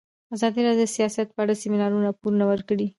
ازادي راډیو د سیاست په اړه د سیمینارونو راپورونه ورکړي.